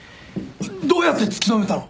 どうやって突き止めたの！？